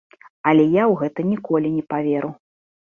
Але я ў гэта ніколі не паверу.